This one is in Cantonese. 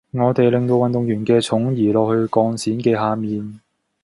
我哋令到運動員嘅重移落去鋼線嘅下面